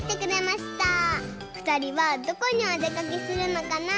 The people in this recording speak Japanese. ふたりはどこにおでかけするのかな？